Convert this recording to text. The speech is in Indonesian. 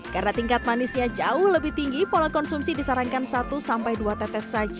karena tingkat manisnya jauh lebih tinggi pola konsumsi disarankan satu sampai dua tetes saja